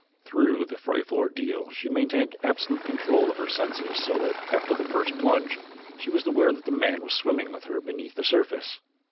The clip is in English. Through the frightful ordeal she maintained absolute control of her senses so that, after the first plunge, she was aware that the man was swimming with her beneath the surface.